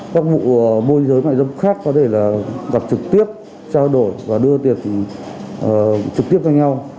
các vụ môi giới mại dâm khác có thể là gặp trực tiếp trao đổi và đưa tiệc trực tiếp cho nhau